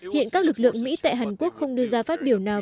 hiện các lực lượng mỹ tại hàn quốc không đưa ra phát biểu nào